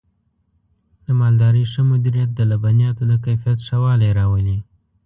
د مالدارۍ ښه مدیریت د لبنیاتو د کیفیت ښه والی راولي.